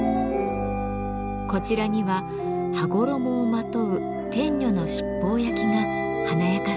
こちらには羽衣をまとう天女の七宝焼きが華やかさを添えます。